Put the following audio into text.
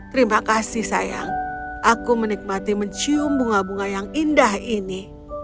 terima kasih sayang aku menikmati mencium bunga bunga yang indah ini